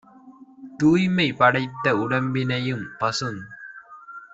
தூய்மை படைத்த உடம்பினையும் - பசுந்